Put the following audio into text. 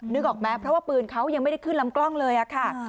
นึกออกไหมเพราะว่าปืนเขายังไม่ได้ขึ้นลำกล้องเลยค่ะ